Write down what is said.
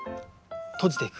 閉じていく。